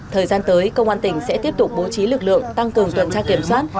thời gian tới công an tỉnh sẽ tiếp tục bố trí lực lượng tăng cường tuần tra kiểm soát